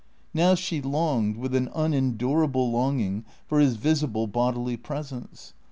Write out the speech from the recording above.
Now she longed, with an unendurable longing, for his visible, bodily presence.